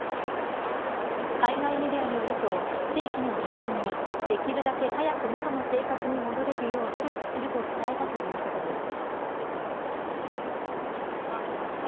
海外メディアによると地域の住民にできるだけ早く元の生活に戻れるよう努力すると伝えたということです。